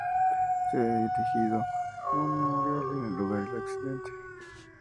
Se ha erigido un memorial en el lugar del accidente.